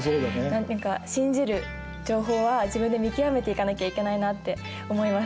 何て言うか信じる情報は自分で見極めていかなきゃいけないなって思いました。